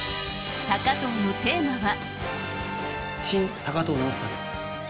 高藤のテーマは。